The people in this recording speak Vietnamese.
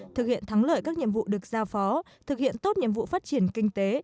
thực hiện thắng lợi các nhiệm vụ được giao phó thực hiện tốt nhiệm vụ phát triển kinh tế